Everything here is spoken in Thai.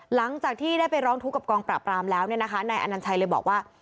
หลังจากที่ได้ไปร้องทุกข์กับกองปราบรามแล้วเนี่ยนะคะนายอนัญชัยเลยบอกว่า